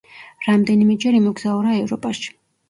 რამდენიმეჯერ იმოგზაურა ევროპაში.